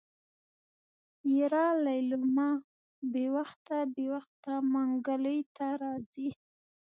يره ليلما بې وخته بې وخته منګلي ته راځي.